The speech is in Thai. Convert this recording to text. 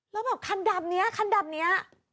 แล้วบอกว่าคันดับนี้คันดับนี้